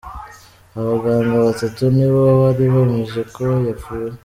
Abaganga batatu nibo bari bemeje ko yapfuye.